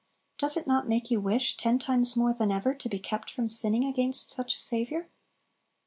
does it not make you wish, ten times more than ever, to be kept from sinning against such a Saviour?